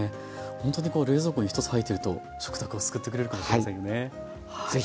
ほんとにこう冷蔵庫に１つ入っていると食卓を救ってくれるかもしれませんよね。